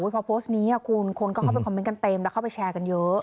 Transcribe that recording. พอโพสต์นี้คุณคนก็เข้าไปคอมเมนต์กันเต็มแล้วเข้าไปแชร์กันเยอะ